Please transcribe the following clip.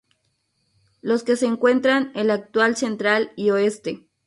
Los que se encuentran el actual Central y Oeste.